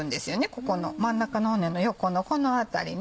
ここの真ん中の骨の横のこの辺りね。